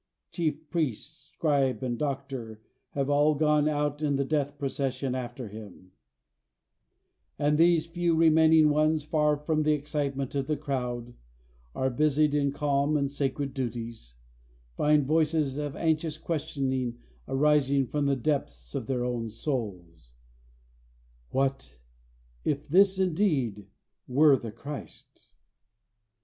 Chief priest, scribe, and doctor have all gone out in the death procession after him; and these few remaining ones, far from the excitement of the crowd, and busied in calm and sacred duties, find voices of anxious questioning rising from the depths of their own souls, "What if this indeed were the Christ?"